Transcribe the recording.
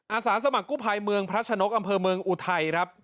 อาสาสมัครกู้ภัยเมืองพระชนกอำเภอเมืองอุทัยครับ